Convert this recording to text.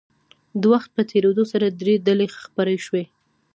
د وخت په تېرېدو سره درې ډلې خپرې شوې.